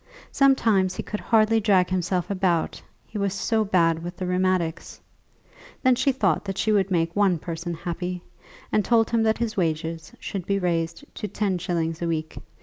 Sometimes he could hardly drag himself about, he was so bad with the rheumatics. Then she thought that she would make one person happy, and told him that his wages should be raised to ten shillings a week.